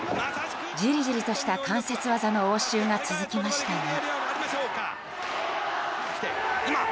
じりじりとした関節技の応酬が続きましたが。